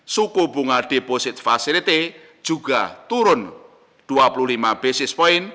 suku bunga deposit facility juga turun dua puluh lima basis point